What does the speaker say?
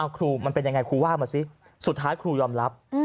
ครูมันเป็นยังไงครูว่ามาสิสุดท้ายครูยอมรับ